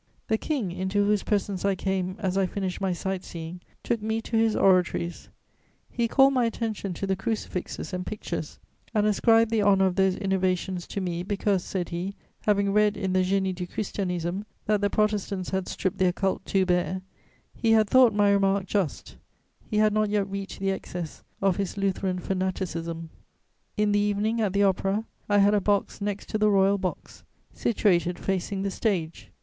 ] The King, into whose presence I came as I finished my sight seeing, took me to his oratories: he called my attention to the crucifixes and pictures, and ascribed the honour of those innovations to me, because, said he, having read in the Génie du christianisme that the Protestants had stripped their cult too bare, he had thought my remark just: he had not yet reached the excess of his Lutheran fanaticism. In the evening, at the Opera, I had a box next to the Royal Box, situated facing the stage.